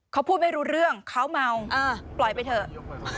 เขาพูดไม่รู้เรื่องเขาเมาปล่อยไปเถอะ